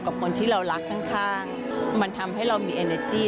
กับคนที่เรารักข้างมันทำให้เรามีเอเนอร์จี้